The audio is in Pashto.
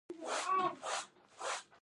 د ویښتو د غوړ کیدو لپاره شیمپو بدل کړئ